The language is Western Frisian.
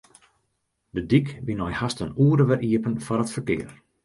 De dyk wie nei hast in oere wer iepen foar it ferkear.